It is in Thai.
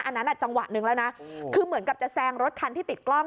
อันนั้นอ่ะจังหวะหนึ่งแล้วนะคือเหมือนกับจะแซงรถคันที่ติดกล้อง